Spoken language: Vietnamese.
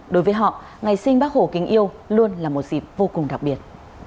đối với họ ngày sinh bác hồ kính yêu luôn là một dịp vô cùng đặc biệt